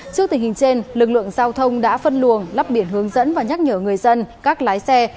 trước tình hình trên lực lượng giao thông đã phân luồng lắp biển hướng dẫn và nhắc nhở người dân các lái xe